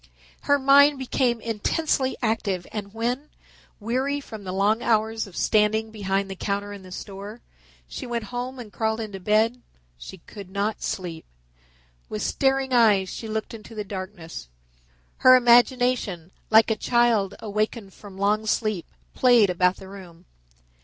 Her mind became intensely active and when, weary from the long hours of standing behind the counter in the store, she went home and crawled into bed, she could not sleep. With staring eyes she looked into the darkness. Her imagination, like a child awakened from long sleep, played about the room.